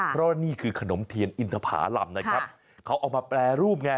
เพราะว่านี่คือขนมเทียนอินทภารำนะครับเขาเอามาแปรรูปไง